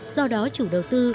do đó chủ đầu tư